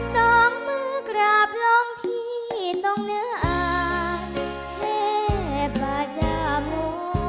สองมือกราบล้องที่ต้องเนื้ออ่านเทปาจาโม